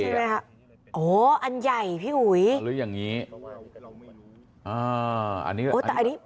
ใช่ไหมค่ะโอ้อันใหญ่พี่อุ๋ยเรียกอย่างงี้อ้าวอันนี้โอ้แต่อันนี้